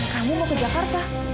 kamu mau ke jakarta